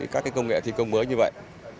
các cái công nghệ thi công mới như vậy